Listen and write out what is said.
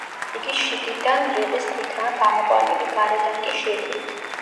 იგი შიგიდან რიყის ქვითაა გამოყვანილი, გარედან კი შირიმით.